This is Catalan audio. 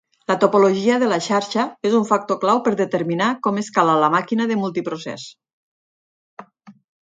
La topologia de la xarxa és un factor clau per determinar com escala la màquina de multiprocés.